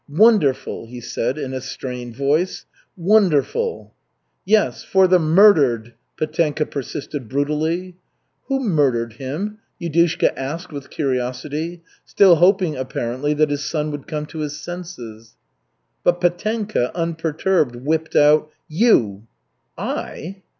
"Wonderful!" he said in a strained voice. "Wonderful!" "Yes, for the murdered!" Petenka persisted brutally. "Who murdered him?" Yudushka asked with curiosity, still hoping, apparently, that his son would come to his senses. But Petenka, unperturbed, whipped out: "You!" "I?"